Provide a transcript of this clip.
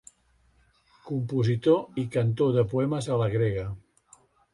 Compositor i cantor de poemes a la grega.